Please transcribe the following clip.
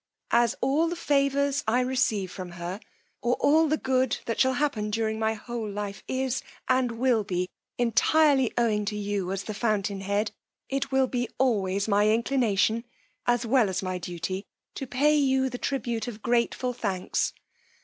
As all the favours I receive from her, or all the good that shall happen during my whole life is, and will be entirely owing to you as the fountain head, it will be always my inclination, as well as duty, to pay you the tribute of grateful thanks.